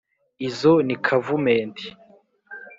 Izo ni Kavumenti!